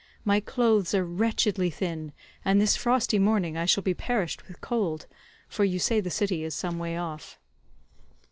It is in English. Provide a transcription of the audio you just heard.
My clothes are wretchedly thin, and this frosty morning I shall be perished with cold, for you say the city is some way off."